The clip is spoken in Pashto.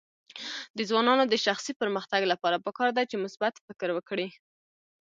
د ځوانانو د شخصي پرمختګ لپاره پکار ده چې مثبت فکر وکړي.